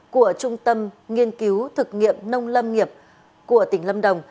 của trung tâm nghiên cứu thực nghiệm nông lâm nghiệp của tỉnh lâm đồng